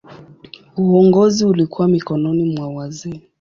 Uongozi ulikuwa mikononi mwa wazee.